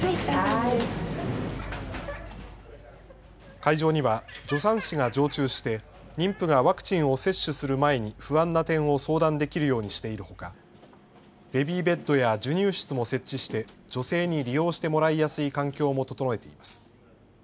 会場には助産師が常駐して、妊婦がワクチンを接種する前に不安な点を相談できるようにしているほか、ベビーベッドや授乳室も設置して、女性に利用してもらいやすい環境も整えています。